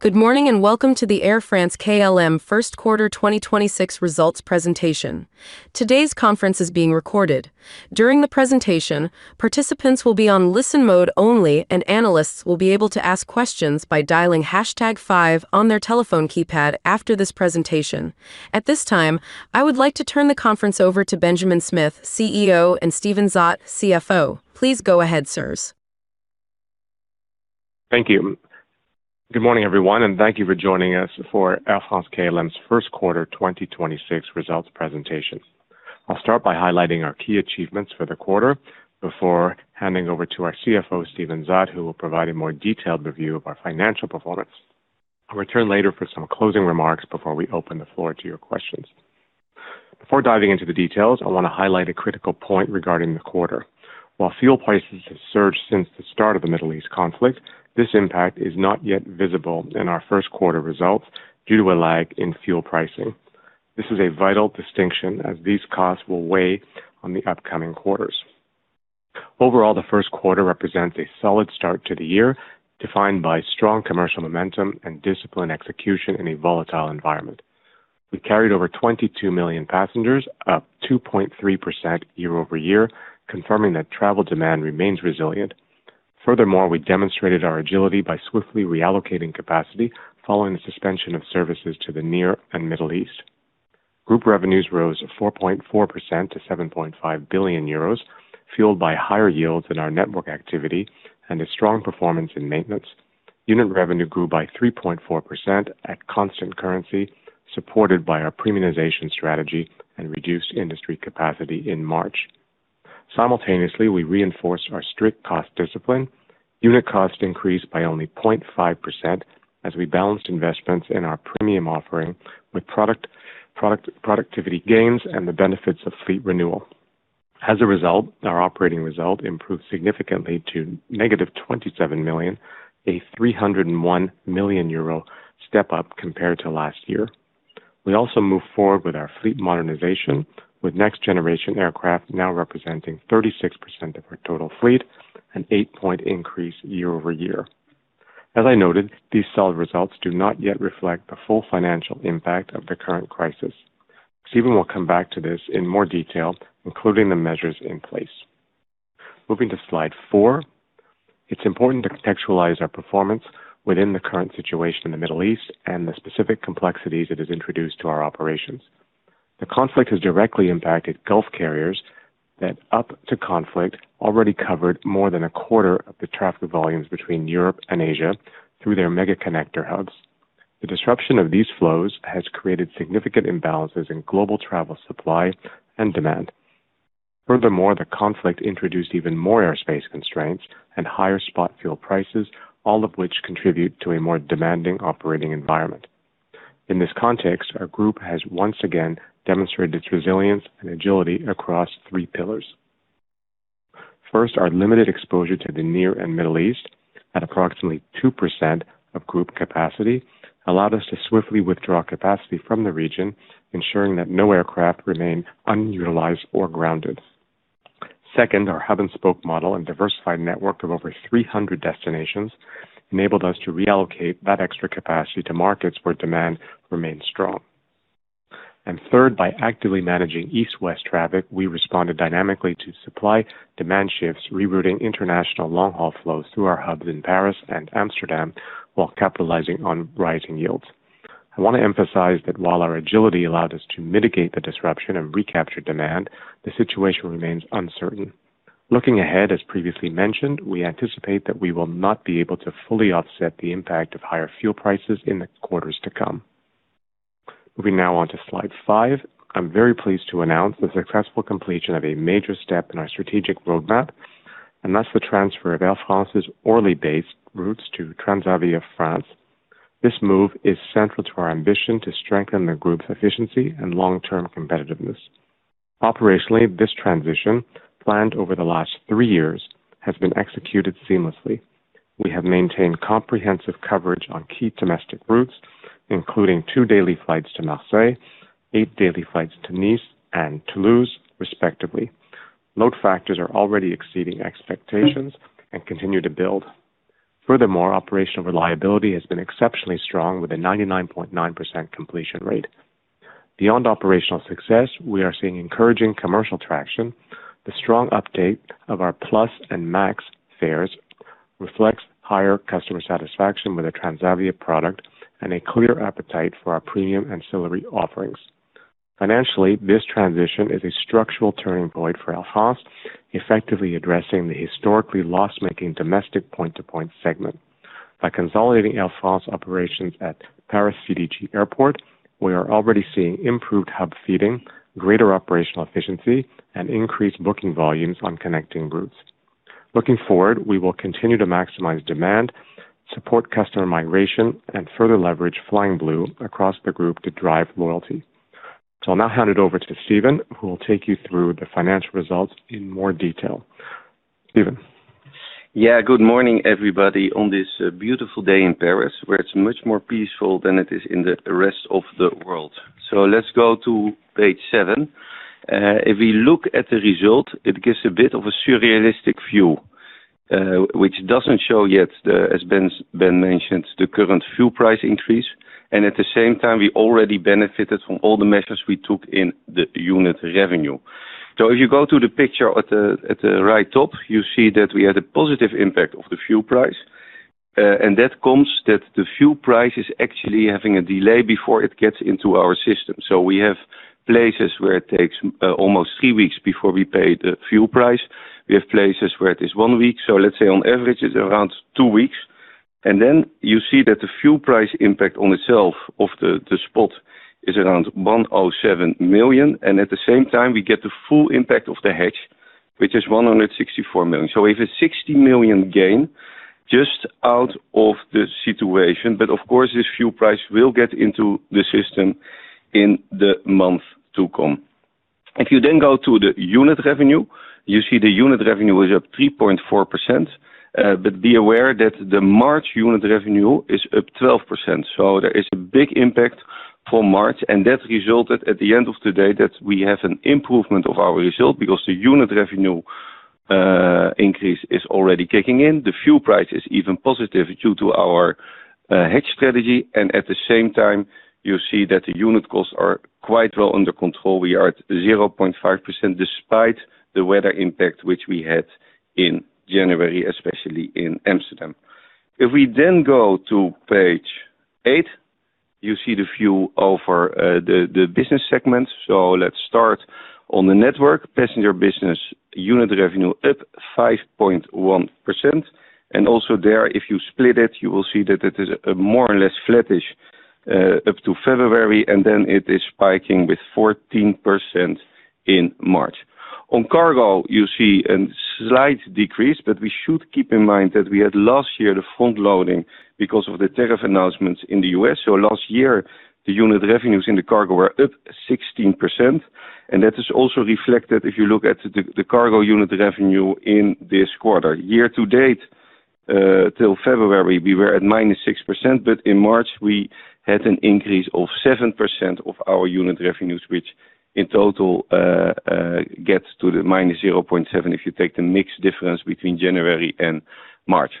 Good morning, and welcome to the Air France-KLM First Quarter 2026 Results Presentation. At this time, I would like to turn the conference over to Benjamin Smith, CEO, and Steven Zaat, CFO. Please go ahead, sirs. Thank you. Good morning, everyone, and thank you for joining us for Air France-KLM's First Quarter 2026 Results Presentation. I'll start by highlighting our key achievements for the quarter before handing over to our CFO, Steven Zaat, who will provide a more detailed review of our financial performance. I'll return later for some closing remarks before we open the floor to your questions. Before diving into the details, I want to highlight a critical point regarding the quarter. While fuel prices have surged since the start of the Middle East conflict, this impact is not yet visible in our first quarter results due to a lag in fuel pricing. This is a vital distinction as these costs will weigh on the upcoming quarters. Overall, the first quarter represents a solid start to the year, defined by strong commercial momentum and disciplined execution in a volatile environment. We carried over 22 million passengers, up 2.3% year-over-year, confirming that travel demand remains resilient. Furthermore, we demonstrated our agility by swiftly reallocating capacity following the suspension of services to the Near and Middle East. Group revenues rose 4.4% to 7.5 billion euros, fueled by higher yields in our network activity and a strong performance in maintenance. Unit revenue grew by 3.4% at constant currency, supported by our premiumization strategy and reduced industry capacity in March. Simultaneously, we reinforced our strict cost discipline. Unit cost increased by only 0.5% as we balanced investments in our premium offering with product, productivity gains and the benefits of fleet renewal. As a result, our operating result improved significantly to -27 million, a 301 million euro step-up compared to last year. We also moved forward with our fleet modernization, with next-generation aircraft now representing 36% of our total fleet, an 8-point increase year-over-year. As I noted, these solid results do not yet reflect the full financial impact of the current crisis. Steven will come back to this in more detail, including the measures in place. Moving to slide four. It's important to contextualize our performance within the current situation in the Middle East and the specific complexities it has introduced to our operations. The conflict has directly impacted Gulf carriers that up to conflict already covered more than a quarter of the traffic volumes between Europe and Asia through their mega-connector hubs. The disruption of these flows has created significant imbalances in global travel supply and demand. Furthermore, the conflict introduced even more airspace constraints and higher spot fuel prices, all of which contribute to a more demanding operating environment. In this context, our group has once again demonstrated its resilience and agility across three pillars. First, our limited exposure to the Near and Middle East at approximately 2% of group capacity allowed us to swiftly withdraw capacity from the region, ensuring that no aircraft remain unutilized or grounded. Second, our hub-and-spoke model and diversified network of over 300 destinations enabled us to reallocate that extra capacity to markets where demand remains strong. Third, by actively managing East-West traffic, we responded dynamically to supply demand shifts, rerouting international long-haul flows through our hubs in Paris and Amsterdam while capitalizing on rising yields. I want to emphasize that while our agility allowed us to mitigate the disruption and recapture demand, the situation remains uncertain. Looking ahead, as previously mentioned, we anticipate that we will not be able to fully offset the impact of higher fuel prices in the quarters to come. Moving now on to slide five. I'm very pleased to announce the successful completion of a major step in our strategic roadmap, and that's the transfer of Air France's Orly base routes to Transavia France. This move is central to our ambition to strengthen the group's efficiency and long-term competitiveness. Operationally, this transition, planned over the last three years, has been executed seamlessly. We have maintained comprehensive coverage on key domestic routes, including two daily flights to Marseille, eight daily flights to Nice and Toulouse, respectively. Load factors are already exceeding expectations and continue to build. Furthermore, operational reliability has been exceptionally strong with a 99.9% completion rate. Beyond operational success, we are seeing encouraging commercial traction. The strong update of our Plus and Max fares reflects higher customer satisfaction with the Transavia product and a clear appetite for our premium ancillary offerings. Financially, this transition is a structural turning point for Air France, effectively addressing the historically loss-making domestic point-to-point segment. By consolidating Air France operations at Paris CDG Airport, we are already seeing improved hub feeding, greater operational efficiency, and increased booking volumes on connecting routes. Looking forward, we will continue to maximize demand, support customer migration, and further leverage Flying Blue across the group to drive loyalty. I'll now hand it over to Steven, who will take you through the financial results in more detail. Steven. Yeah. Good morning, everybody, on this beautiful day in Paris, where it's much more peaceful than it is in the rest of the world. Let's go to page seven. If you look at the result, it gives a bit of a surrealistic view, which doesn't show yet, as Ben mentioned, the current fuel price increase. At the same time, we already benefited from all the measures we took in the unit revenue. If you go to the picture at the right top, you see that we had a positive impact of the fuel price, and that comes that the fuel price is actually having a delay before it gets into our system. We have places where it takes almost three weeks before we pay the fuel price. We have places where it is one week. Let's say on average, it's around two weeks. Then you see that the fuel price impact on itself of the spot is around 107 million. At the same time, we get the full impact of the hedge, which is 164 million. We have a 60 million gain just out of the situation. Of course, this fuel price will get into the system in the month to come. If you go to the unit revenue, you see the unit revenue is up 3.4%. Be aware that the March unit revenue is up 12%. There is a big impact for March, and that resulted at the end of the day that we have an improvement of our result because the unit revenue increase is already kicking in. The fuel price is even positive due to our hedge strategy. At the same time, you see that the unit costs are quite well under control. We are at 0.5% despite the weather impact which we had in January, especially in Amsterdam. If we then go to page eight, you see the view of our, the business segments. Let's start on the Network. Passenger business unit revenue up 5.1%. Also there, if you split it, you will see that it is more or less flattish up to February, and then it is spiking with 14% in March. On cargo, you see a slight decrease, but we should keep in mind that we had last year the front-loading because of the tariff announcements in the U.S. Last year, the unit revenues in the cargo were up 16%, and that is also reflected if you look at the cargo unit revenue in this quarter. Year-to-date, till February, we were at -6%, but in March, we had an increase of 7% of our unit revenues, which in total gets to the -0.7 if you take the mix difference between January and March.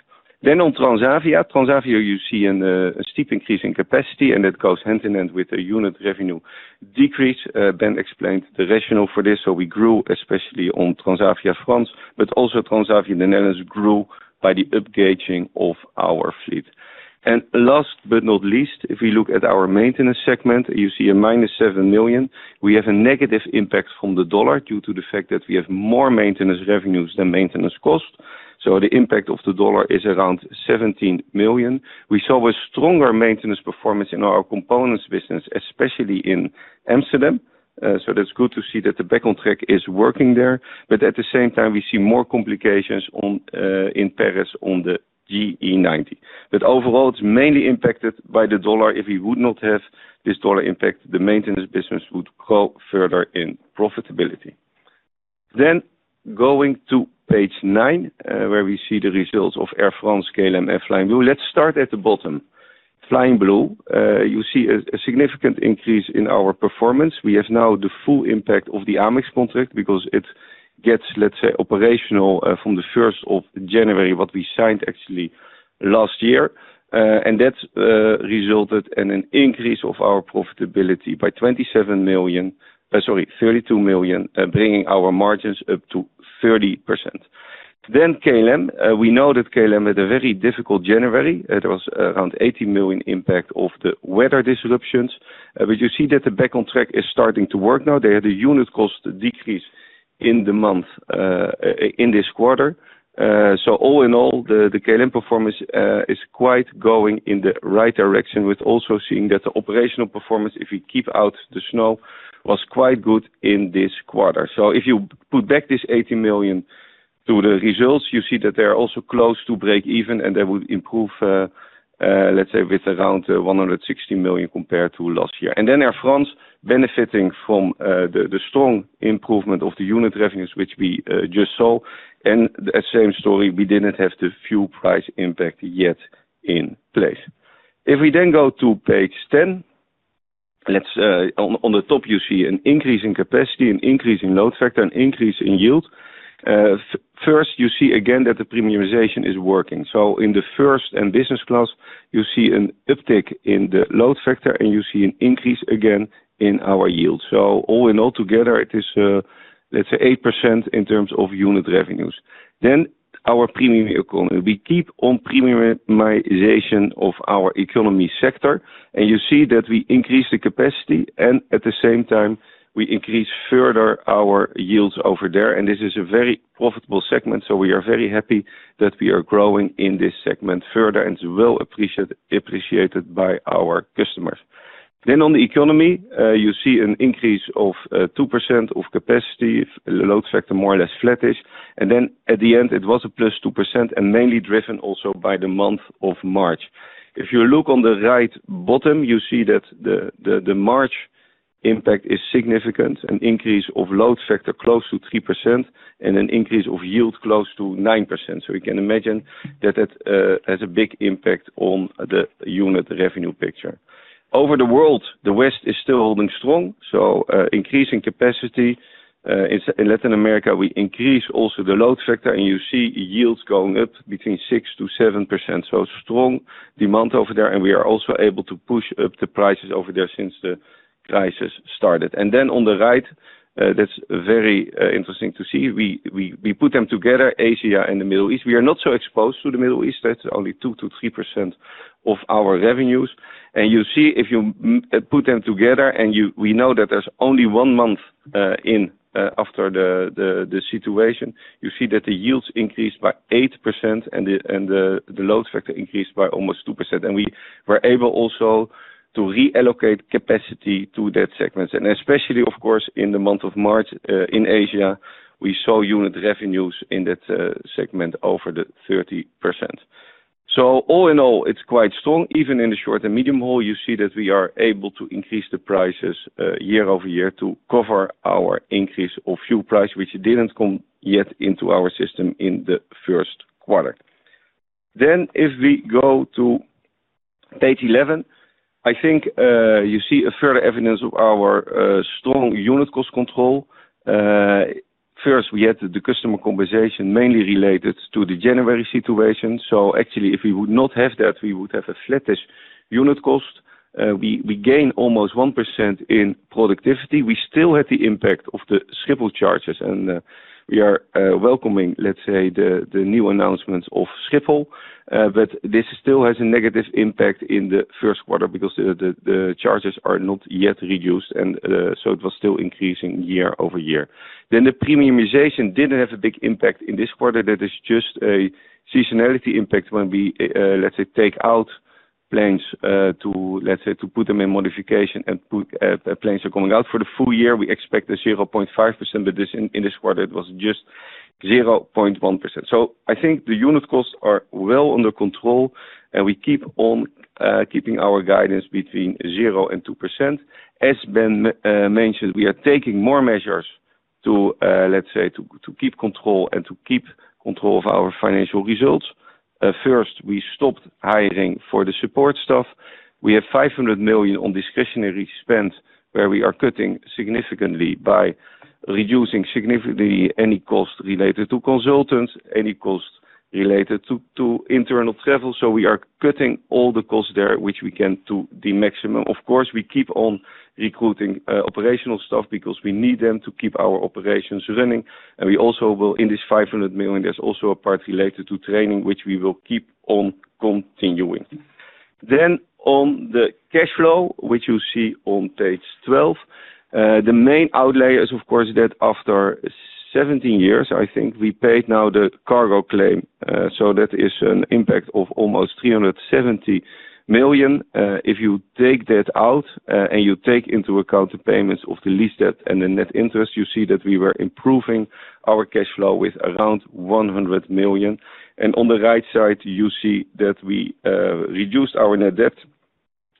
On Transavia. Transavia, you see a steep increase in capacity, and it goes hand in hand with a unit revenue decrease. Ben explained the rationale for this. We grew, especially on Transavia France, but also Transavia Netherlands grew by the up-gauging of our fleet. Last but not least, if we look at our maintenance segment, you see a -7 million. We have a negative impact from the dollar due to the fact that we have more maintenance revenues than maintenance costs. The impact of the dollar is around 17 million. We saw a stronger maintenance performance in our components business, especially in Amsterdam. That's good to see that the Back on Track is working there. At the same time, we see more complications on in Paris on the GE90. Overall, it's mainly impacted by the dollar. If we would not have this dollar impact, the maintenance business would grow further in profitability. Going to page nine, where we see the results of Air France, KLM, and Flying Blue. Let's start at the bottom. Flying Blue, you see a significant increase in our performance. We have now the full impact of the Amex contract because it gets, let's say, operational, from the 1st of January, what we signed actually last year. And that's resulted in an increase of our profitability by 27 million, sorry, 32 million, bringing our margins up to 30%. KLM. We know that KLM had a very difficult January. It was around 80 million impact of the weather disruptions. You see that the Back on Track is starting to work now. They had a unit cost decrease in the month, in this quarter. All in all, the KLM performance is quite going in the right direction. We're also seeing that the operational performance, if you keep out the snow, was quite good in this quarter. So if you put back this 80 million to the results, you see that they are also close to breakeven, and they would improve, let's say with around 160 million compared to last year. Air France benefiting from the strong improvement of the unit revenues, which we just saw. The same story, we didn't have the fuel price impact yet in place. If we then go to page 10, let's on the top, you see an increase in capacity, an increase in load factor, an increase in yield. First, you see again that the premiumization is working. In the first and business class, you see an uptick in the load factor, and you see an increase again in our yield. All in all together, it is, let's say 8% in terms of unit revenues. Our Premium Economy. We keep on premiumization of our economy sector, and you see that we increase the capacity, and at the same time, we increase further our yields over there. This is a very profitable segment. We are very happy that we are growing in this segment further, and it's well appreciated by our customers. On the economy, you see an increase of 2% of capacity. Load factor more or less flattish. At the end, it was a +2%, mainly driven also by the month of March. If you look on the right bottom, you see that the March impact is significant, an increase of load factor close to 3% and an increase of yield close to 9%. You can imagine that it has a big impact on the unit revenue picture. Over the world, the West is still holding strong. Increasing capacity in Latin America, we increase also the load factor, and you see yields going up between 6%-7%. Strong demand over there, and we are also able to push up the prices over there since the crisis started. On the right, that's very interesting to see. We put them together, Asia and the Middle East. We are not so exposed to the Middle East. That's only 2%-3% of our revenues. You see if you put them together, we know that there's only one month in after the situation, you see that the yields increased by 8% and the load factor increased by almost 2%. We were able also to reallocate capacity to that segment. Especially, of course, in the month of March, in Asia, we saw unit revenues in that segment over the 30%. All in all, it's quite strong. Even in the short and medium haul, you see that we are able to increase the prices year-over-year to cover our increase of fuel price, which didn't come yet into our system in the first quarter. If we go to page 11, I think, you see a further evidence of our strong unit cost control. First, we had the customer compensation mainly related to the January situation. Actually, if we would not have that, we would have a flattish unit cost. We gain almost 1% in productivity. We still have the impact of the Schiphol charges, and we are welcoming the new announcements of Schiphol, but this still has a negative impact in the first quarter because the charges are not yet reduced, and so it was still increasing year-over-year. The premiumization didn't have a big impact in this quarter. That is just a seasonality impact when we take out planes to put them in modification and put planes are coming out. For the full-year, we expect a 0.5%, but this in this quarter, it was just 0.1%. I think the unit costs are well under control, and we keep on keeping our guidance between 0% and 2%. As Ben mentioned, we are taking more measures to keep control and to keep control of our financial results. First, we stopped hiring for the support staff. We have 500 million on discretionary spend, where we are cutting significantly by reducing significantly any cost related to consultants, any cost related to internal travel. We are cutting all the costs there, which we can to the maximum. Of course, we keep on recruiting operational staff because we need them to keep our operations running. We also will, in this 500 million, there's also a part related to training, which we will keep on continuing. On the cash flow, which you see on page 12, the main outlay is, of course, that after 17 years, I think we paid now the cargo claim. That is an impact of almost 370 million. If you take that out, and you take into account the payments of the lease debt and the net interest, you see that we were improving our cash flow with around 100 million. On the right side, you see that we reduced our net debt.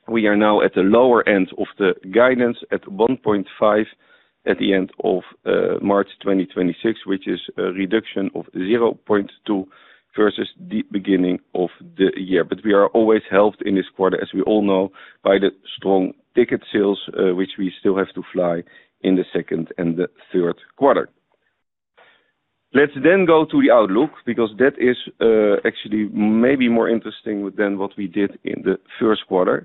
We are now at the lower end of the guidance at 1.5 at the end of March 2026, which is a reduction of 0.2 versus the beginning of the year. We are always helped in this quarter, as we all know, by the strong ticket sales, which we still have to fly in the second and the third quarter. Let's go to the outlook because that is actually maybe more interesting than what we did in the first quarter.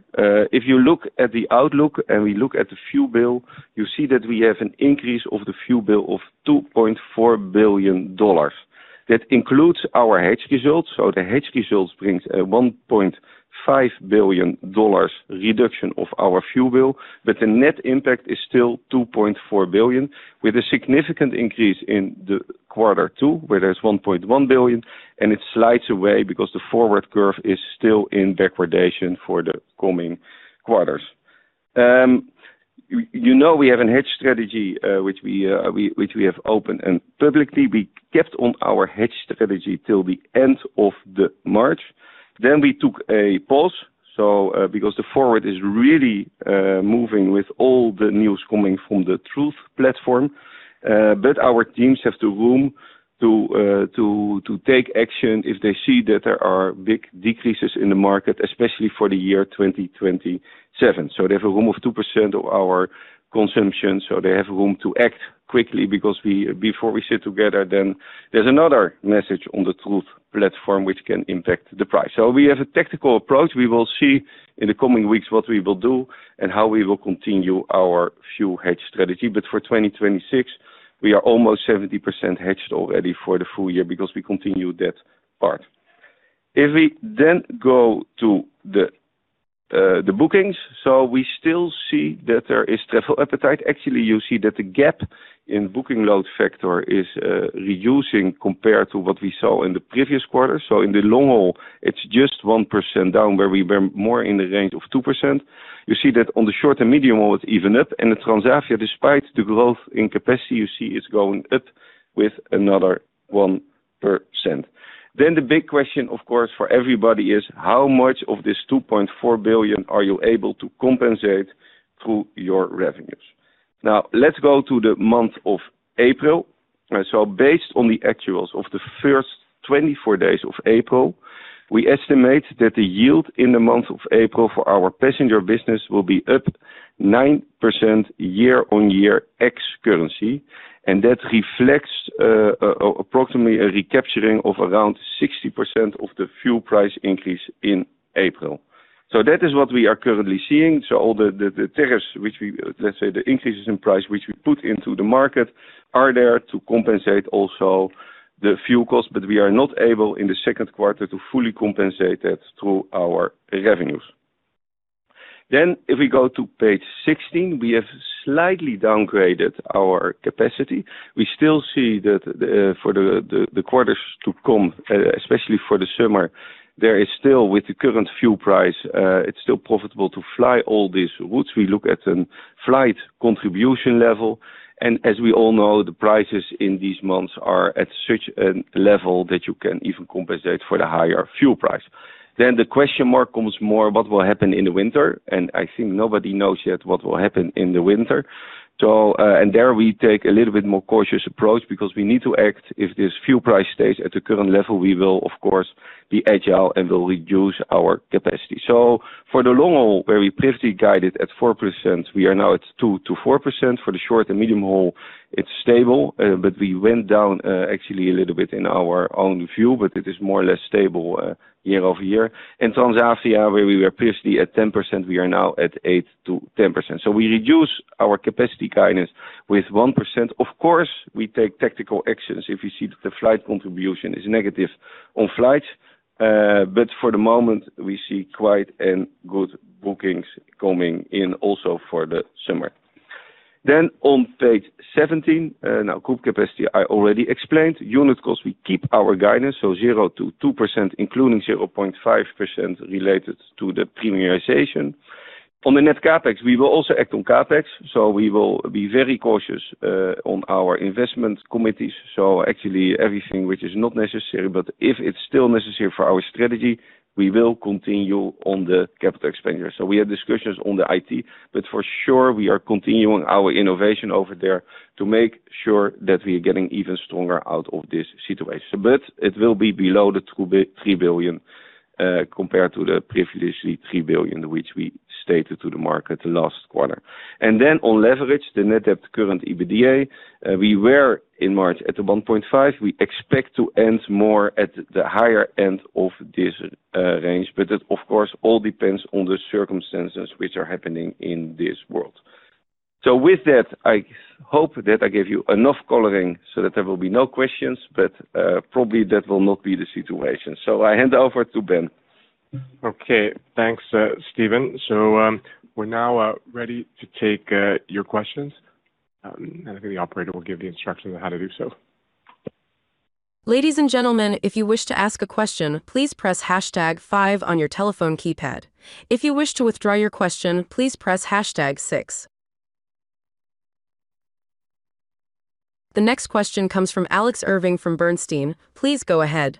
If you look at the outlook and we look at the fuel bill, you see that we have an increase of the fuel bill of $2.4 billion. That includes our hedge results. The hedge results brings a $1.5 billion reduction of our fuel bill. The net impact is still 2.4 billion, with a significant increase in Q2, where there's 1.1 billion, and it slides away because the forward curve is still in degradation for the coming quarters. You know, we have a hedge strategy, which we have opened. Publicly, we kept on our hedge strategy till the end of March. We took a pause. Because the forward is really moving with all the news coming from the Truth platform. Our teams have the room to take action if they see that there are big decreases in the market, especially for the year 2027. They have a room of 2% of our consumption, they have room to act quickly because before we sit together, there's another message on the Truth platform which can impact the price. We have a tactical approach. We will see in the coming weeks what we will do and how we will continue our fuel hedge strategy. For 2026, we are almost 70% hedged already for the full-year because we continued that part. If we then go to the bookings, we still see that there is travel appetite. Actually, you see that the gap in booking load factor is reducing compared to what we saw in the previous quarter. In the long haul, it's just 1% down, where we were more in the range of 2%. You see that on the short and medium haul, it's even up. The Transavia, despite the growth in capacity, you see it's going up with another 1%. The big question, of course, for everybody is how much of this $2.4 billion are you able to compensate through your revenues? Let's go to the month of April. Based on the actuals of the first 24 days of April. We estimate that the yield in the month of April for our passenger business will be up 9% year-on-year ex currency, and that reflects approximately a recapturing of around 60% of the fuel price increase in April. That is what we are currently seeing. All the tariffs which we, let's say, the increases in price which we put into the market are there to compensate also the fuel cost. We are not able in the second quarter to fully compensate that through our revenues. If we go to page 16, we have slightly downgraded our capacity. We still see that for the quarters to come, especially for the summer, there is still with the current fuel price, it's still profitable to fly all these routes. We look at a flight contribution level, and as we all know, the prices in these months are at such a level that you can even compensate for the higher fuel price. The question mark comes more what will happen in the winter, and I think nobody knows yet what will happen in the winter. And there we take a little bit more cautious approach because we need to act. If this fuel price stays at the current level, we will of course be agile and will reduce our capacity. For the long haul, where we previously guided at 4%, we are now at 2%-4%. For the short and medium haul, it's stable. But we went down, actually a little bit in our own view, but it is more or less stable year-over-year. In Transavia, where we were previously at 10%, we are now at 8%-10%. We reduce our capacity guidance with 1%. Of course, we take tactical actions if we see that the flight contribution is negative on flights. But for the moment, we see quite and good bookings coming in also for the summer. On page 17, now group capacity, I already explained. Unit cost, we keep our guidance, so 0%-2%, including 0.5% related to the premiumization. On the net CapEx, we will also act on CapEx, so we will be very cautious on our investment committees. Actually everything which is not necessary, but if it's still necessary for our strategy, we will continue on the CapEx. We have discussions on the IT, but for sure we are continuing our innovation over there to make sure that we are getting even stronger out of this situation. It will be below 3 billion compared to the previously 3 billion, which we stated to the market last quarter. On leverage, the net debt current EBITDA, we were in March at the 1.5x. We expect to end more at the higher end of this range. That, of course, all depends on the circumstances which are happening in this world. With that, I hope that I gave you enough coloring so that there will be no questions. Probably that will not be the situation. I hand over to Ben. Okay. Thanks, Steven. We're now ready to take your questions. I think the operator will give the instructions on how to do so. Ladies and gentlemen, if you wish to ask a question, please press hashtag five on your telephone keypad. If you wish to withdraw your question, please press hashtag six. The next question comes from Alex Irving from Bernstein. Please go ahead.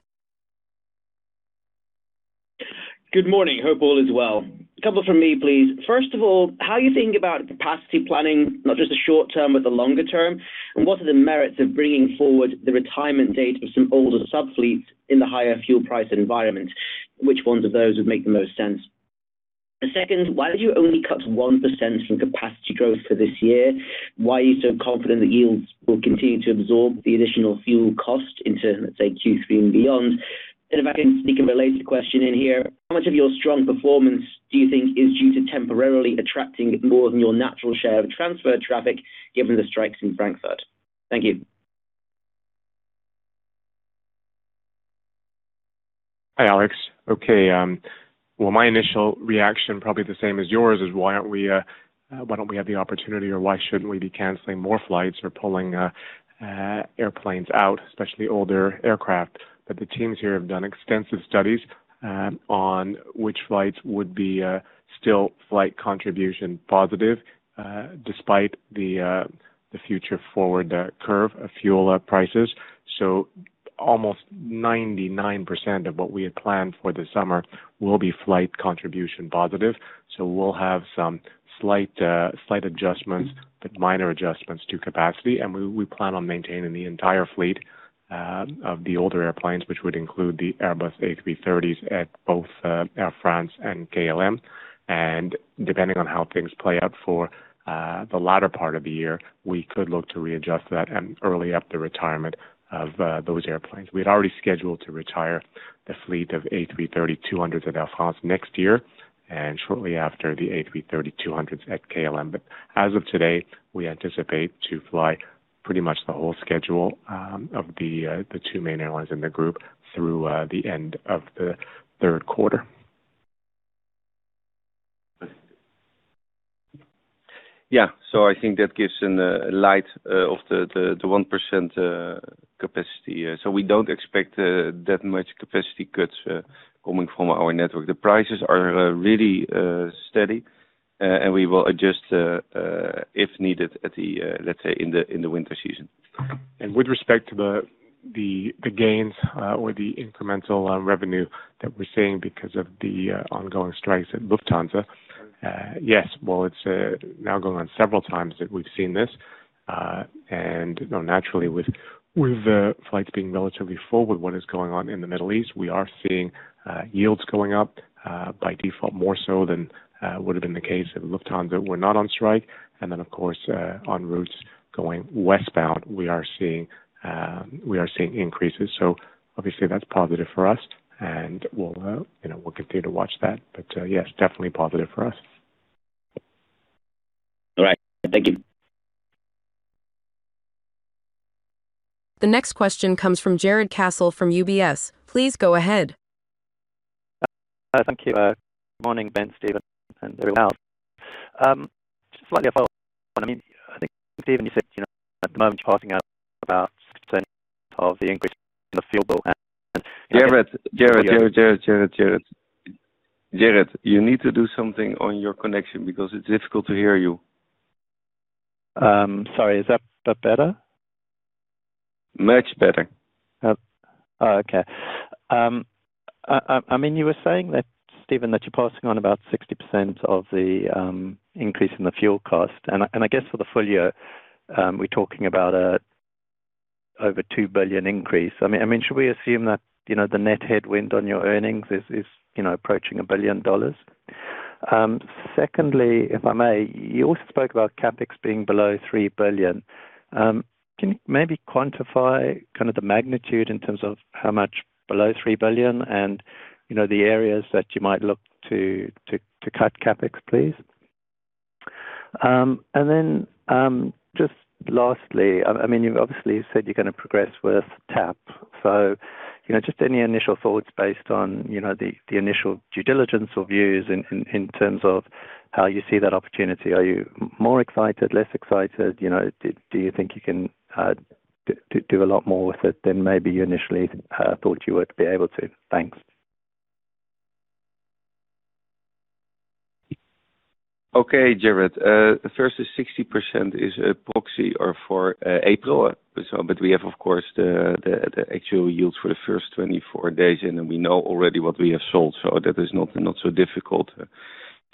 Good morning. Hope all is well. A couple from me, please. First of all, how are you thinking about capacity planning, not just the short-term, but the longer-term? What are the merits of bringing forward the retirement date of some older sub fleets in the higher fuel price environment? Which ones of those would make the most sense? Second, why did you only cut 1% from capacity growth for this year? Why are you so confident that yields will continue to absorb the additional fuel cost into, let's say, Q3 and beyond? If I can sneak a related question in here, how much of your strong performance do you think is due to temporarily attracting more than your natural share of transfer traffic given the strikes in Frankfurt? Thank you. Hi, Alex. Okay, well, my initial reaction, probably the same as yours, is why aren't we, why don't we have the opportunity, or why shouldn't we be canceling more flights or pulling airplanes out, especially older aircraft? The teams here have done extensive studies on which flights would be still flight contribution positive despite the future forward curve of fuel prices. Almost 99% of what we had planned for the summer will be flight contribution positive. We'll have some slight adjustments, but minor adjustments to capacity. We plan on maintaining the entire fleet of the older airplanes, which would include the Airbus A330s at both Air France and KLM. Depending on how things play out for the latter part of the year, we could look to readjust that and early up the retirement of those airplanes. We had already scheduled to retire the fleet of A330-200s at Air France next year, and shortly after the A330-200s at KLM. As of today, we anticipate to fly pretty much the whole schedule of the two main airlines in the group through the end of the third quarter. Yeah. I think that gives an a light of the 1% capacity. We don't expect that much capacity cuts coming from our network. The prices are really steady and we will adjust if needed at the let's say in the winter season. With respect to the, the gains, or the incremental, revenue that we're seeing because of the ongoing strikes at Lufthansa, yes. Well, it's now going on several times that we've seen this. You know, naturally with flights being relatively full with what is going on in the Middle East, we are seeing yields going up by default more so than would have been the case if Lufthansa were not on strike. Then of course, on routes going westbound, we are seeing increases. Obviously that's positive for us and we'll, you know, we'll continue to watch that. Yes, definitely positive for us. All right. Thank you. The next question comes from Jarrod Castle from UBS. Please go ahead. Thank you. Good morning, Ben, Steven, and everyone. Slightly a follow-up on, I think, Steven, you said, at the moment you're passing out about 60 of the increase in the fuel bill. Jarrod. Jarrod, you need to do something on your connection because it's difficult to hear you. Sorry, is that better? Much better. Okay. I mean, you were saying that, Steven, that you're passing on about 60% of the increase in the fuel cost. I guess for the full-year, we're talking about a over 2 billion increase. I mean, should we assume that, you know, the net headwind on your earnings is, you know, approaching EUR 1 billion? Secondly, if I may, you also spoke about CapEx being below 3 billion. Can you maybe quantify kind of the magnitude in terms of how much below 3 billion and, you know, the areas that you might look to cut CapEx, please? Then, just lastly, I mean, you obviously said you're gonna progress with TAP. You know, just any initial thoughts based on, you know, the initial due diligence or views in terms of how you see that opportunity? Are you more excited, less excited? You know, do you think you can do a lot more with it than maybe you initially thought you would be able to? Thanks. Okay, Jarrod. First is 60% is a proxy or for April. We have, of course, the actual yields for the first 24 days, we know already what we have sold. That is not so difficult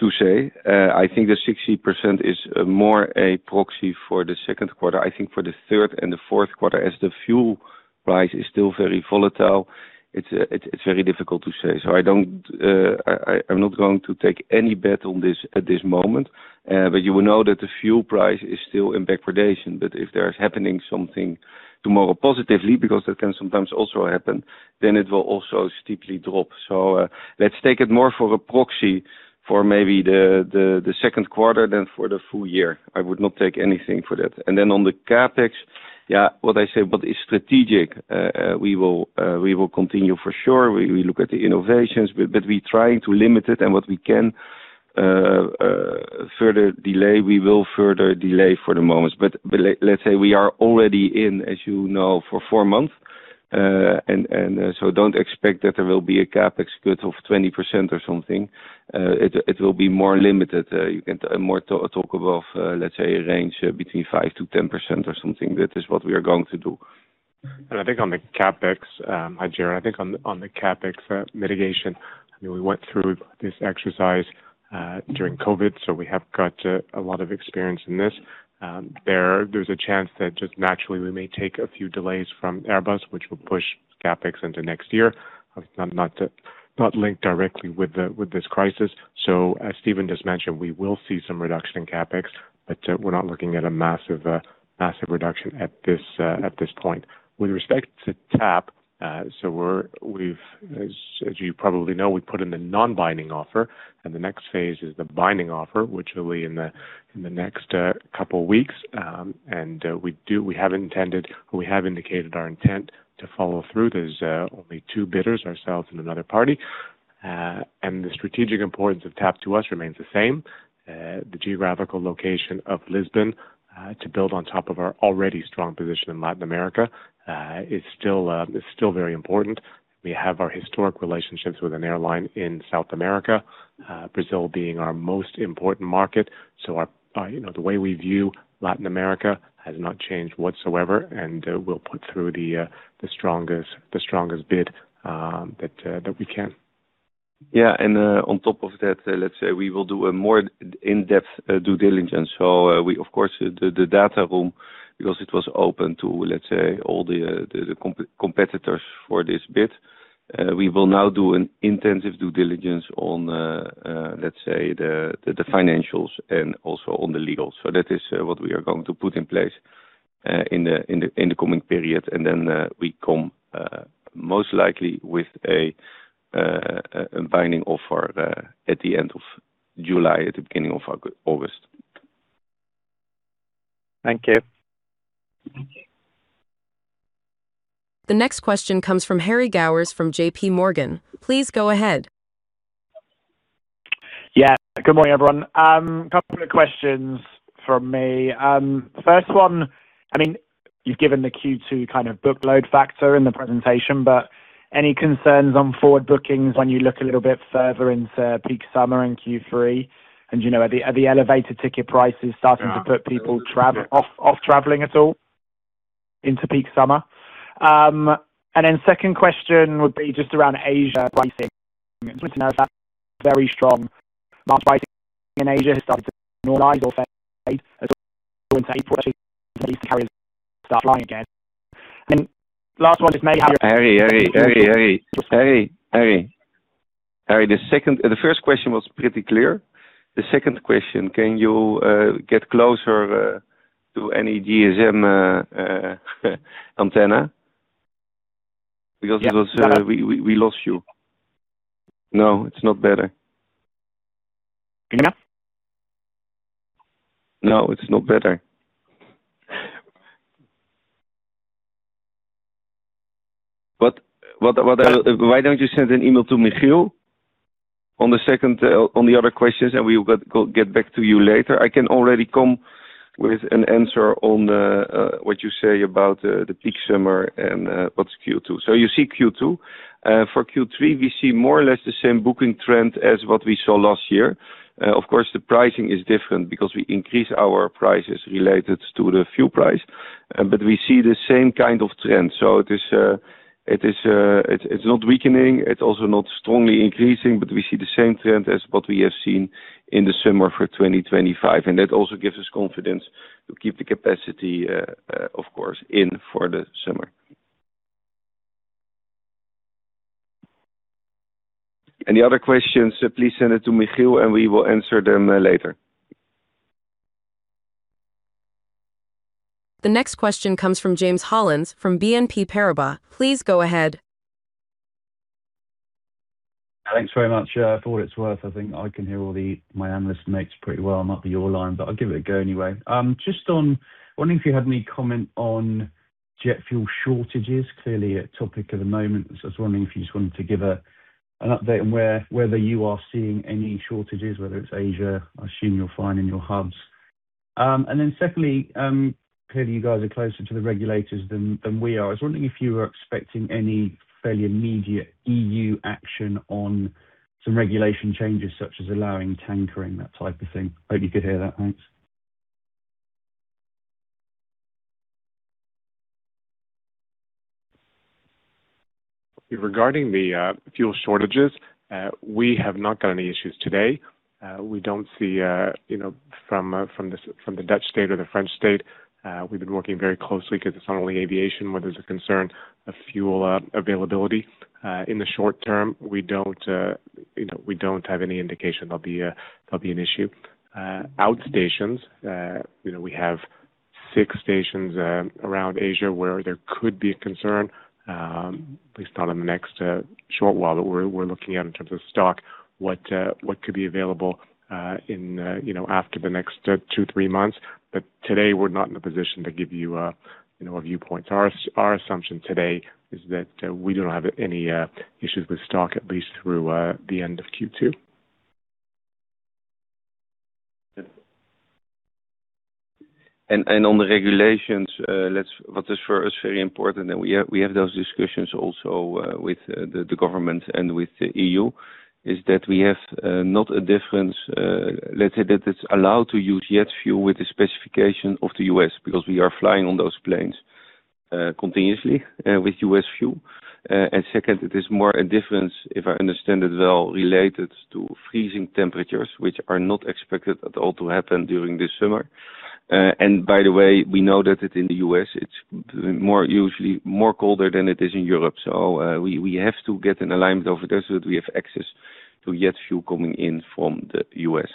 to say. I think the 60% is more a proxy for the second quarter. I think for the third and the fourth quarter, as the fuel price is still very volatile, it's very difficult to say. I am not going to take any bet on this at this moment. You will know that the fuel price is still in degradation. If there's happening something tomorrow positively, because that can sometimes also happen, it will also steeply drop. Let's take it more for a proxy for maybe the second quarter than for the full-year. I would not take anything for that. On the CapEx, what I said, what is strategic, we will continue for sure. We look at the innovations, but we trying to limit it. What we can further delay, we will further delay for the moment. Let's say we are already in, as you know, for four months. Don't expect that there will be a CapEx cut of 20% or something. It will be more limited and more talk of, let's say a range between 5%-10% or something. That is what we are going to do. I think on the CapEx, hi, Jarrod. I think on the CapEx mitigation, I mean, we went through this exercise during COVID, so we have got a lot of experience in this. There's a chance that just naturally we may take a few delays from Airbus, which will push CapEx into next year. Not linked directly with this crisis. As Steven just mentioned, we will see some reduction in CapEx, but we're not looking at a massive reduction at this at this point. With respect to TAP, we've, as you probably know, we put in the non-binding offer, and the next phase is the binding offer, which will be in the next couple weeks. We have indicated our intent to follow through. There's only two bidders, ourselves and another party. The strategic importance of TAP to us remains the same. The geographical location of Lisbon to build on top of our already strong position in Latin America is still very important. We have our historic relationships with an airline in South America, Brazil being our most important market. You know, the way we view Latin America has not changed whatsoever, and we'll put through the strongest bid that we can. Yeah. On top of that, we will do a more in-depth due diligence. We of course, the data room, because it was open to all the competitors for this bid, we will now do an intensive due diligence on the financials and also on the legal. That is what we are going to put in place in the coming period. Then we come most likely with a binding offer at the end of July, at the beginning of August. Thank you. The next question comes from Harry Gowers from JPMorgan. Please go ahead. Yeah. Good morning, everyone. Two questions from me. First one, I mean, you've given the Q2 kind of book load factor in the presentation, but any concerns on forward bookings when you look a little bit further into peak summer and Q3? You know, are the elevated ticket prices starting to put people off traveling at all? Into peak summer. Second question would be just around Asia pricing. I'm just wanting to know if that very strong March pricing in Asia has started to normalize or fade as we go into April as some of these carriers start flying again. Harry. Harry, the first question was pretty clear. The second question, can you get closer to any GSM antenna? Because it was. Yeah. Got it. We lost you. No, it's not better. Enough? No, it's not better. Better? Why don't you send an email to Michiel on the second, on the other questions, and we will get back to you later. I can already come with an answer on what you say about the peak summer and what's Q2. You see Q2. For Q3, we see more or less the same booking trend as what we saw last year. Of course, the pricing is different because we increase our prices related to the fuel price, but we see the same kind of trend. It is, it's not weakening. It's also not strongly increasing, but we see the same trend as what we have seen in the summer for 2025. That also gives us confidence to keep the capacity, of course, in for the summer. Any other questions, please send it to Michiel, and we will answer them later. The next question comes from James Hollins from BNP Paribas. Please go ahead. Thanks very much. Yeah, for what it's worth, I think I can hear all my analyst mates pretty well. Might be your line, I'll give it a go anyway. Just on wondering if you had any comment on jet fuel shortages. Clearly a topic of the moment. I was wondering if you just wanted to give an update on whether you are seeing any shortages, whether it's Asia. I assume you're fine in your hubs. Secondly, clearly you guys are closer to the regulators than we are. I was wondering if you were expecting any fairly immediate EU action on some regulation changes such as allowing tankering, that type of thing. Hope you could hear that. Thanks. Regarding the fuel shortages, we have not got any issues today. We don't see, you know, from the Dutch state or the French state. We've been working very closely 'cause it's not only aviation where there's a concern of fuel availability. In the short-term, we don't, you know, we don't have any indication there'll be a, there'll be an issue. Outstations, you know, we have six stations around Asia where there could be a concern, at least on the next short while. We're looking at in terms of stock, what could be available in, you know, after the next two, three months. Today, we're not in a position to give you a, you know, a viewpoint. Our assumption today is that we don't have any issues with stock at least through the end of Q2. On the regulations, what is for us very important, and we have those discussions also, with the government and with the EU, is that we have not a difference, let's say that it is allowed to use jet fuel with the specification of the U.S. because we are flying on those planes, continuously, with U.S. fuel. Second, it is more a difference, if I understand it well, related to freezing temperatures, which are not expected at all to happen during this summer. By the way, we know that in the U.S. it is more usually more colder than it is in Europe. We have to get an alignment over there so that we have access to jet fuel coming in from the U.S.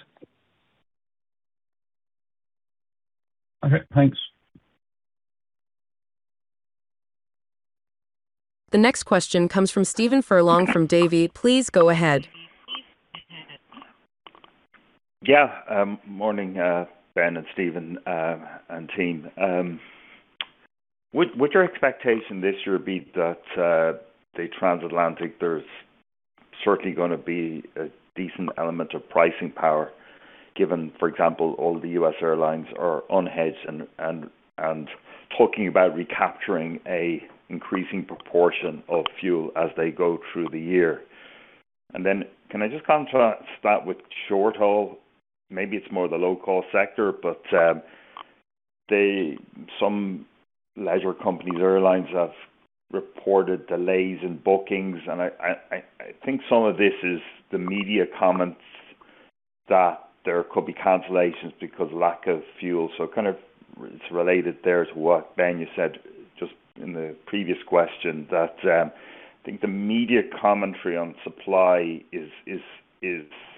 Okay, thanks. The next question comes from Stephen Furlong from Davy. Please go ahead. Yeah. Morning, Ben and Steven and team. Would your expectation this year be that the transatlantic there's certainly gonna be a decent element of pricing power given, for example, all the U.S. airlines are unhedged and talking about recapturing a increasing proportion of fuel as they go through the year? Can I just kind of start with short-haul? Maybe it's more the low-cost sector, but some leisure companies, airlines have reported delays in bookings. I think some of this is the media comments that there could be cancellations because lack of fuel. Kind of it's related there to what, Ben, you said just in the previous question that I think the media commentary on supply is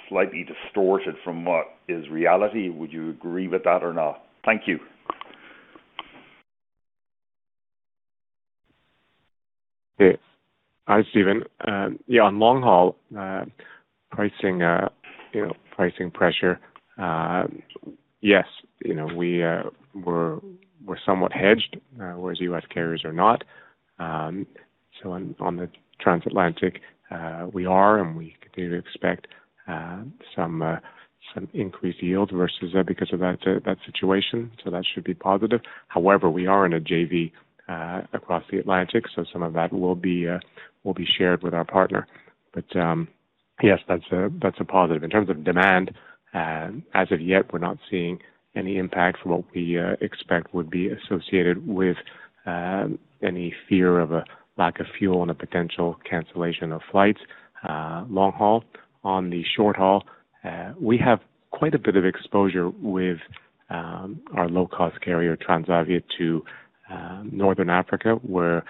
slightly distorted from what is reality. Would you agree with that or not? Thank you. Yeah. Hi, Stephen. Yeah, on long haul, pricing, you know, pricing pressure, yes, you know, we're somewhat hedged, whereas U.S. carriers are not. On the transatlantic, we are, and we do expect some increased yield versus because of that situation. That should be positive. However, we are in a JV across the Atlantic, some of that will be shared with our partner. Yes, that's a positive. In terms of demand, as of yet, we're not seeing any impact from what we expect would be associated with any fear of a lack of fuel and a potential cancellation of flights, long haul. On the short haul, we have quite a bit of exposure with our low-cost carrier, Transavia, to Northern Africa, where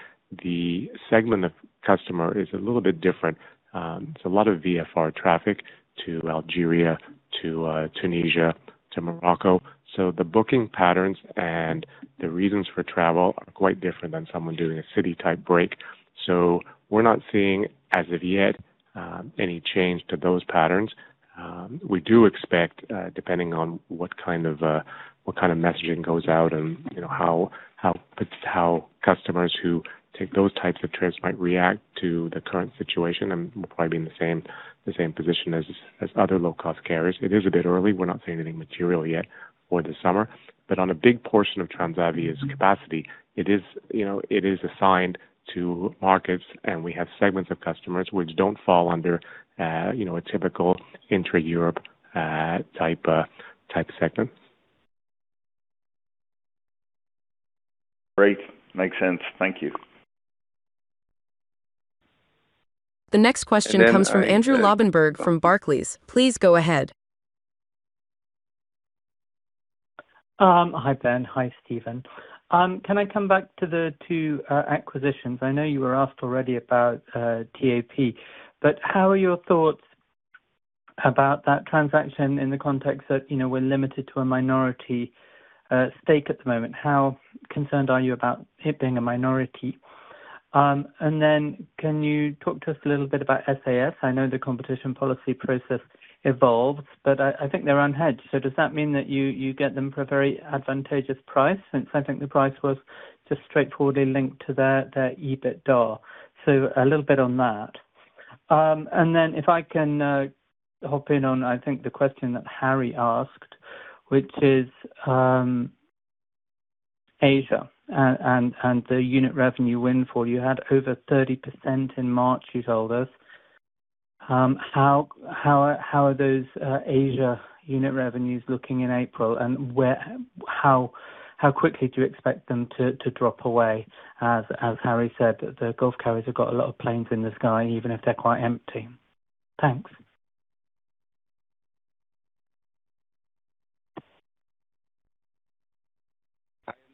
the segment of customer is a little bit different. It's a lot of VFR traffic to Algeria, to Tunisia, to Morocco. The booking patterns and the reasons for travel are quite different than someone doing a city-type break. We're not seeing, as of yet, any change to those patterns. We do expect, depending on what kind of, what kind of messaging goes out and, you know, how customers who take those types of trips might react to the current situation and will probably be in the same position as other low-cost carriers. It is a bit early. We're not seeing anything material yet for the summer. On a big portion of Transavia's capacity, it is, you know, it is assigned to markets, and we have segments of customers which don't fall under, you know, a typical intra-Europe type segment. Great. Makes sense. Thank you. The next question comes from Andrew Lobbenberg from Barclays. Please go ahead. Hi, Ben. Hi, Steven. Can I come back to the two acquisitions? I know you were asked already about TAP, but how are your thoughts about that transaction in the context that, you know, we're limited to a minority stake at the moment? How concerned are you about it being a minority? Then can you talk to us a little bit about SAS? I know the competition policy process evolves, but I think they're unhedged. Does that mean that you get them for a very advantageous price since I think the price was just straightforwardly linked to their EBITDA? A little bit on that. Then if I can hop in on, I think, the question that Harry asked, which is Asia and the unit revenue windfall. You had over 30% in March, you told us. How are those Asia unit revenues looking in April, and how quickly do you expect them to drop away? As Harry said, the Gulf carriers have got a lot of planes in the sky, even if they're quite empty. Thanks.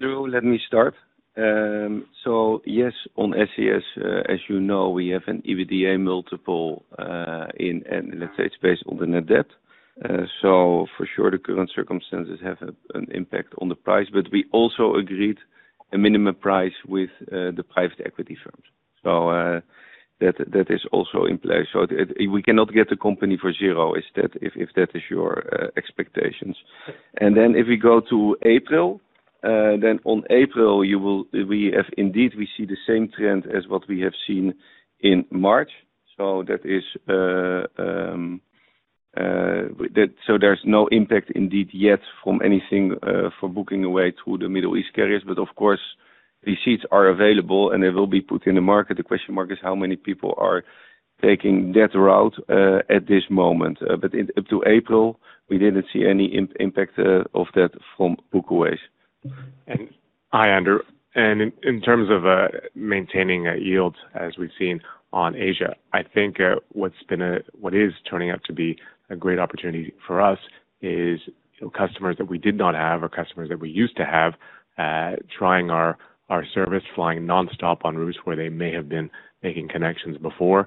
Andrew, let me start. Yes, on SAS, as you know, we have an EBITDA multiple in, and let's say it's based on the net debt. For sure, the current circumstances have an impact on the price. We also agreed a minimum price with the private equity firms. That, that is also in place. We cannot get the company for zero, if that is your expectations. If we go to April, on April, we have indeed, we see the same trend as what we have seen in March. That is, there's no impact indeed yet from anything for booking away through the Middle East carriers. Of course, these seats are available, and they will be put in the market. The question mark is how many people are taking that route, at this moment. Up to April, we didn't see any impact of that from book aways. Hi, Andrew. In terms of maintaining yields, as we've seen on Asia, I think what is turning out to be a great opportunity for us is customers that we did not have or customers that we used to have, trying our service, flying nonstop on routes where they may have been making connections before,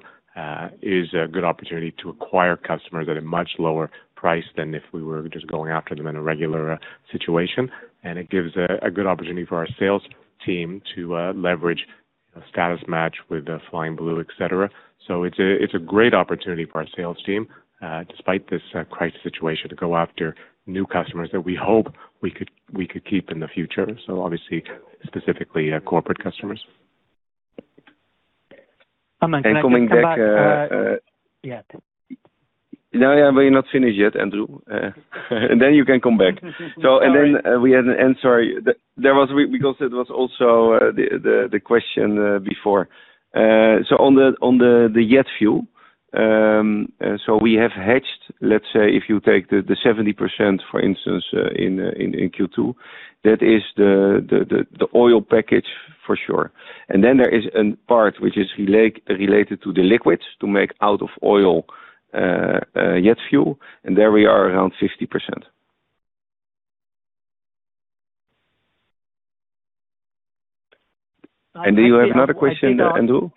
is a good opportunity to acquire customers at a much lower price than if we were just going after them in a regular situation. It gives a good opportunity for our sales team to leverage a status match with Flying Blue, et cetera. It's a, it's a great opportunity for our sales team, despite this, crisis situation, to go after new customers that we hope we could keep in the future, obviously, specifically, corporate customers. Can I come back? Coming back. Yeah. No, yeah, we're not finished yet, Andrew. Then you can come back. Sorry. Sorry. Because it was also the question before. On the jet fuel, we have hedged, let's say, if you take the 70%, for instance, in Q2, that is the oil package for sure. Then there is a part which is related to the liquids to make out of oil, jet fuel, and there we are around 60%. Do you have another question, Andrew?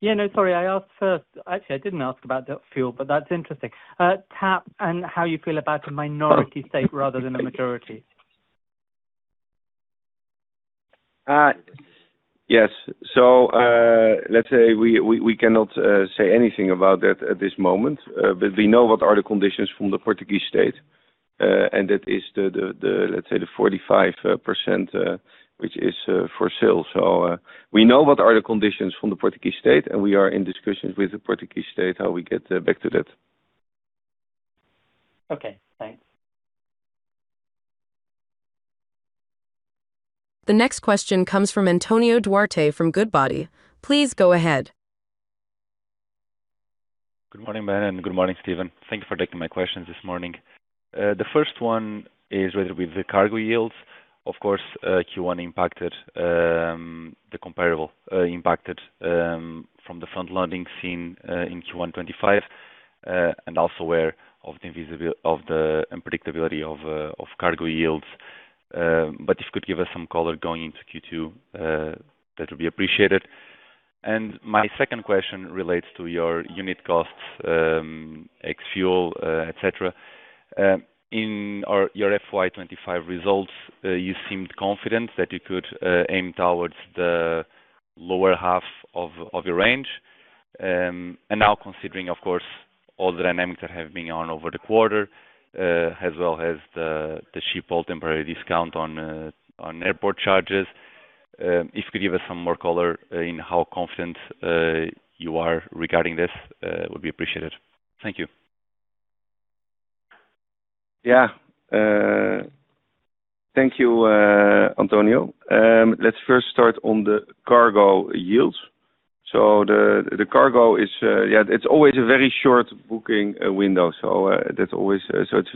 Yeah, no, sorry. I asked first. Actually, I didn't ask about the fuel, but that's interesting. TAP and how you feel about a minority stake rather than a majority? Yes. Let's say we cannot say anything about that at this moment. We know what are the conditions from the Portuguese state, and that is the, let's say, the 45%, which is for sale. We know what are the conditions from the Portuguese state, and we are in discussions with the Portuguese state how we get back to that. Okay, thanks. The next question comes from Antonio Duarte from Goodbody. Please go ahead. Good morning, Ben, and good morning, Steven. Thank you for taking my questions this morning. The first one is whether with the cargo yields, of course, Q1 impacted the comparable, impacted from the front-loading seen in Q1 2025. Also aware of the unpredictability of cargo yields. If you could give us some color going into Q2, that would be appreciated. My second question relates to your unit costs, ex fuel, et cetera. In our, your FY 2025 results, you seemed confident that you could aim towards the lower half of your range. Now considering, of course, all the dynamics that have been on over the quarter, as well as the Schiphol temporary discount on airport charges. If you could give us some more color in how confident you are regarding this, would be appreciated. Thank you. Yeah. Thank you, Antonio. Let's first start on the cargo yields. The cargo is always a very short booking window. That's always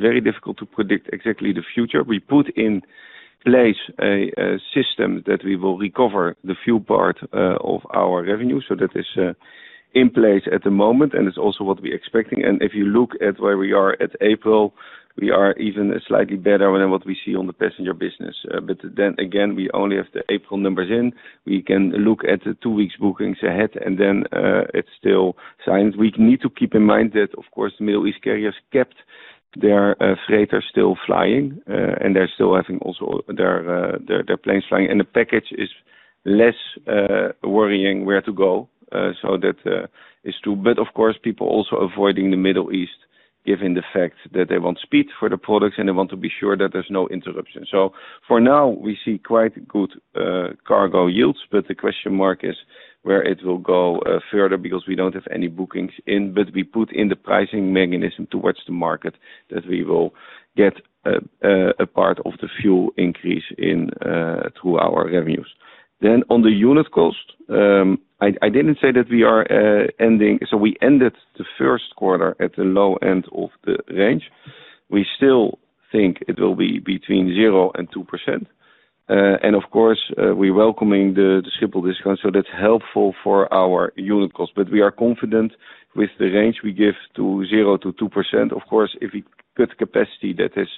very difficult to predict exactly the future. We put in place a system that we will recover the fuel part of our revenue. That is in place at the moment, and it's also what we expecting. If you look at where we are at April, we are even slightly better than what we see on the passenger business. We only have the April numbers in. We can look at the two weeks bookings ahead and then it's still science. We need to keep in mind that, of course, the Middle East carriers kept their freighter still flying, and they're still having also their planes flying. The package is less worrying where to go. That is true. Of course, people also avoiding the Middle East given the fact that they want speed for the products and they want to be sure that there's no interruption. For now we see quite good cargo yields, but the question mark is where it will go further because we don't have any bookings in. We put in the pricing mechanism towards the market that we will get a part of the fuel increase in through our revenues. On the unit cost, I didn't say that we are ending. We ended the first quarter at the low-end of the range. We still think it will be between 0% and 2%. Of course, we're welcoming the Schiphol discount, so that's helpful for our unit cost. We are confident with the range we give to 0%-2%. Of course, if we cut capacity, that is,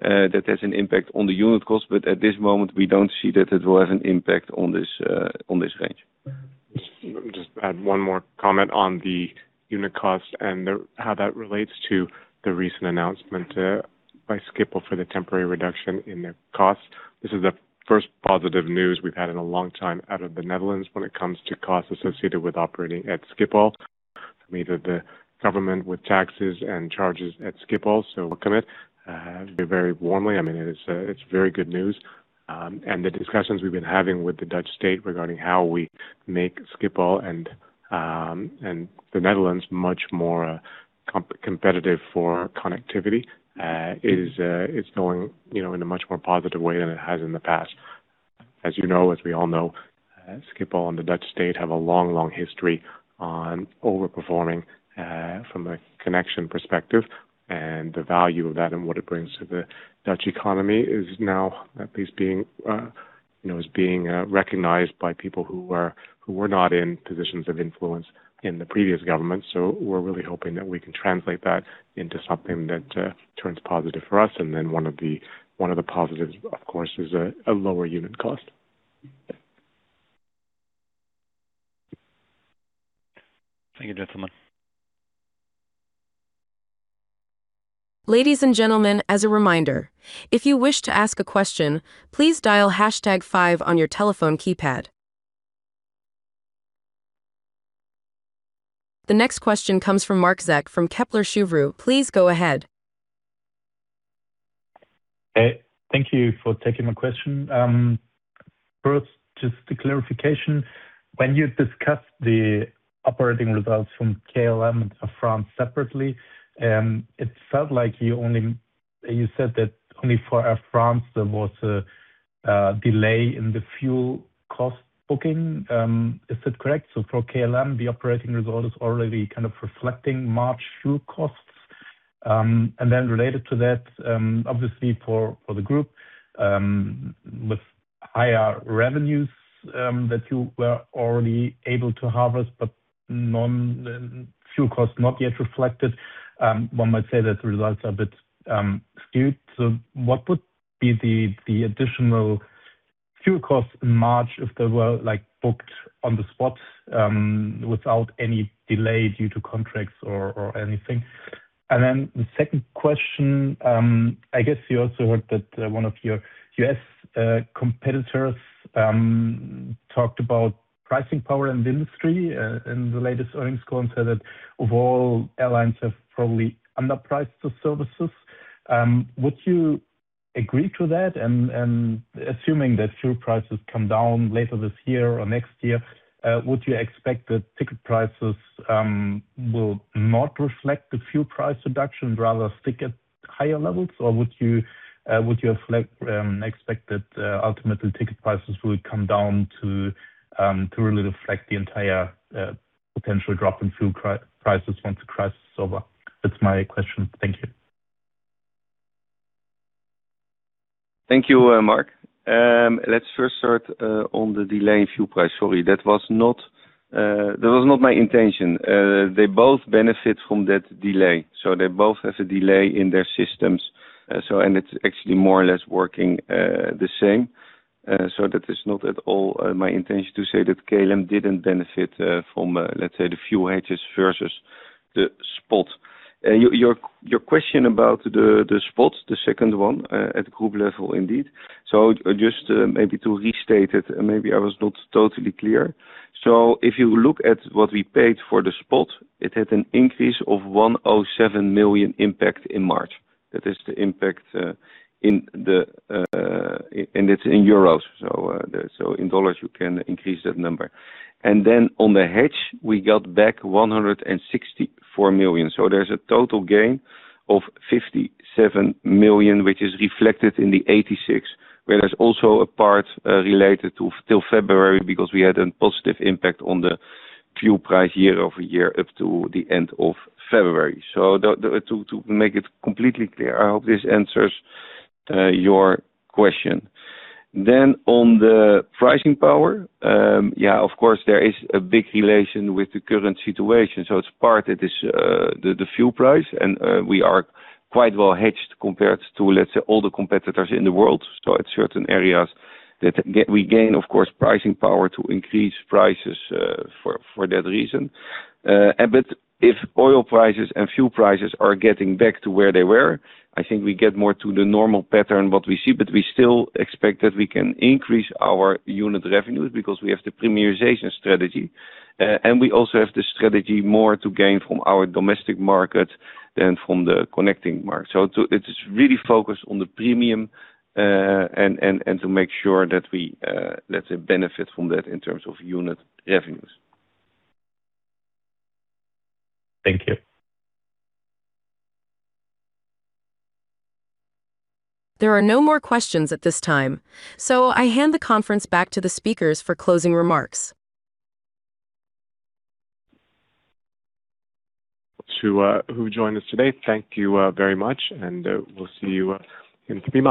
that has an impact on the unit cost, but at this moment we don't see that it will have an impact on this, on this range. Just add one more comment on the unit cost and the how that relates to the recent announcement by Schiphol for the temporary reduction in their costs. This is the first positive news we've had in a long time out of the Netherlands when it comes to costs associated with operating at Schiphol. I mean that the government with taxes and charges at Schiphol, welcome it very warmly. I mean, it's very good news. The discussions we've been having with the Dutch state regarding how we make Schiphol and the Netherlands much more competitive for connectivity is going, you know, in a much more positive way than it has in the past. As you know, as we all know, Schiphol and the Dutch state have a long, long history on overperforming from a connection perspective. The value of that and what it brings to the Dutch economy is now at least being, you know, is being recognized by people who were not in positions of influence in the previous government. We're really hoping that we can translate that into something that turns positive for us. One of the positives, of course, is a lower unit cost. Thank you, gentlemen. Ladies and gentlemen, as a reminder, if you wish to ask a question, please dial hashtag five on your telephone keypad. The next question comes from Marc Zeck from Kepler Cheuvreux. Please go ahead. Thank you for taking my question. First, just a clarification. When you discussed the operating results from KLM and Air France separately, it felt like you said that only for Air France there was a delay in the fuel cost booking. Is that correct? So for KLM, the operating result is already kind of reflecting March fuel costs. And then related to that, obviously for the group, with higher revenues that you were already able to harvest, but non-fuel costs not yet reflected. One might say that the results are a bit skewed. What would be the additional fuel costs in March if they were, like, booked on the spot, without any delay due to contracts or anything? The second question, I guess you also heard that one of your U.S. competitors talked about pricing power in the industry in the latest earnings call and said that of all airlines have probably underpriced the services. Would you agree to that? Assuming that fuel prices come down later this year or next year, would you expect that ticket prices will not reflect the fuel price reduction, rather stick at higher levels or would you expect that ultimately ticket prices will come down to really reflect the entire potential drop in fuel prices once the crisis is over? That's my question. Thank you. Thank you, Marc. Let's first start on the delay in fuel price. Sorry, that was not, that was not my intention. They both benefit from that delay, so they both have a delay in their systems. It's actually more or less working the same. That is not at all my intention to say that KLM didn't benefit from, let's say, the fuel hedges versus the spot. Your question about the spot, the second one, at group level, indeed. Just, maybe to restate it, maybe I was not totally clear. If you look at what we paid for the spot, it had an increase of 107 million impact in March. That is the impact in the, and it's in euros. In USD, you can increase that number. On the hedge, we got back 164 million. There's a total gain of 57 million, which is reflected in the 86 million, where there's also a part related to still February because we had a positive impact on the fuel price year-over-year up to the end of February. To make it completely clear, I hope this answers your question. On the pricing power, of course, there is a big relation with the current situation. The fuel price, we are quite well hedged compared to, let's say, all the competitors in the world. At certain areas we gain, of course, pricing power to increase prices for that reason. If oil prices and fuel prices are getting back to where they were, I think we get more to the normal pattern, what we see. We still expect that we can increase our unit revenues because we have the premiumization strategy. We also have the strategy more to gain from our domestic market than from the connecting market. It is really focused on the premium, and to make sure that we, let's say, benefit from that in terms of unit revenues. Thank you. There are no more questions at this time. I hand the conference back to the speakers for closing remarks. To, who joined us today, thank you, very much and, we'll see you, in three months.